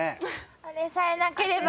あれさえなければ。